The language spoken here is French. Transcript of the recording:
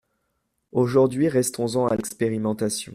Aujourd’hui, restons-en à l’expérimentation.